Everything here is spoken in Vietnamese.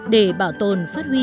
để bảo tồn phát huy